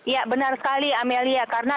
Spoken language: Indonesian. ya benar sekali amelia